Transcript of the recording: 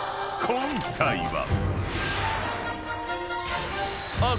［今回は］